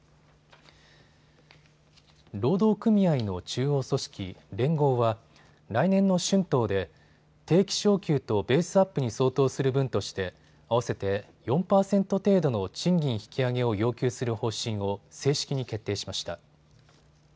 労働組合の中央組織、連合は来年の春闘で定期昇給とベースアップに相当する分として合わせて４％程度の賃金引き上げを要求する方針を正式に決定しました。